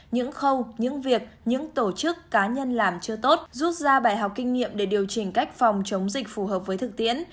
những khâu những việc những tổ chức cá nhân làm chưa tốt rút ra bài học kinh nghiệm để điều chỉnh cách phòng chống dịch phù hợp với thực tiễn